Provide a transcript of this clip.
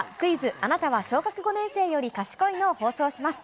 あなたは小学５年生より賢いの？を放送します。